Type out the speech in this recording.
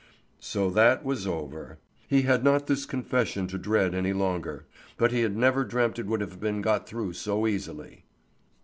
So that was over. He had not this confession to dread any longer; but he had never dreamt it would have been got through so easily.